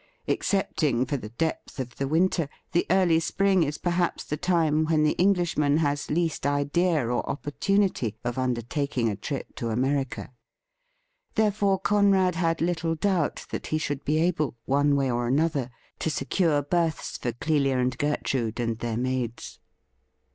Excepting for the depth of the winter, the early spring is perhaps the time when the Englishman has least idea or opportunity of undertaking a trip to America ; therefore, Conrad had little doubt that he should be able one way or another to secure berths for Clelia and Gertrude and their maids.